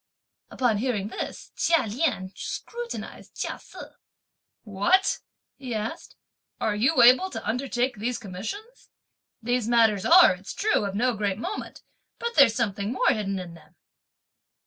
Upon hearing this, Chia Lien scrutinised Chia Se. "What!" he asked, "are you able to undertake these commissions? These matters are, it's true, of no great moment; but there's something more hidden in them!"